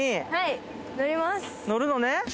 乗るのね！